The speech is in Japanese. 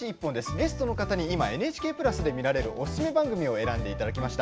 ゲストの方にＮＨＫプラスで見られるおすすめ番組を選んでいただきます。